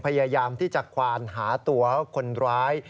พยายามที่จะควานหาตัวคนร้าย